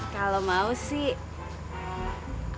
kalau mau sih